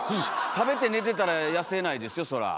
食べて寝てたら痩せないですよそら。